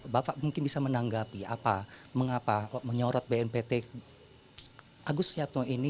bapak mungkin bisa menanggapi mengapa menyorot bnpt agus yatno ini